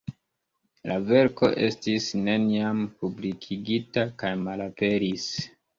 La verko estis neniam publikigita kaj malaperis.